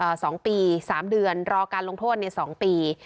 สองปีสามเดือนรอการลงโทษในสองปี